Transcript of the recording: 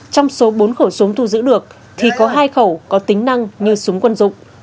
trong số bốn khẩu súng thu giữ được thì có hai khẩu có tính năng như súng quân dụng